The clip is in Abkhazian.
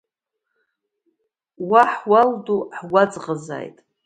Уа ҳуал ду ҳгәаҵӷазааит!